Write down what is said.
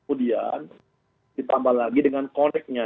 kemudian ditambah lagi dengan connectnya